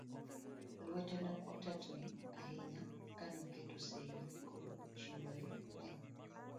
Lweta ne otetni ahinya ka ne aketo seyi ni koro achiwora ne